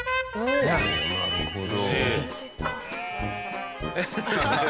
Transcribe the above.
なるほど。